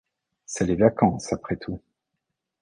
C'est les vacances, après tout !